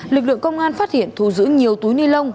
lực lượng công an phát hiện thu giữ nhiều túi ni lông